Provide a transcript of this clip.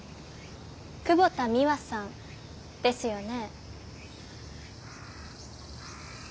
久保田ミワさんですよね？